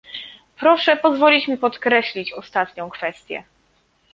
Proszę pozwolić mi podkreślić ostatnią kwestię